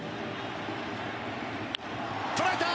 捉えた！